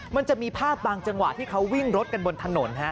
มันจะมีภาพบางจังหวะที่เขาวิ่งรถกันบนถนน